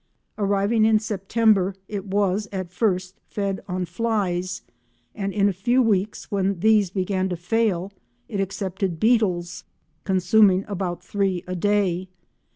Arriving in September, it was at first fed on flies, and in a few weeks, when these began to fail, it accepted beetles, consuming about three a day.